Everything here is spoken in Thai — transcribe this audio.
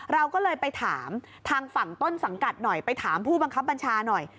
เราก็เลยไปถามทางฝั่งต้นสังกัดหน่อยไปถามผู้บังคับบัญชาหน่อย